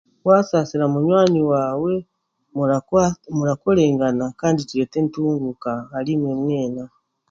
Waasasira munywani waawe murakorengana kandi kireete entunguuka ahari imwe mwena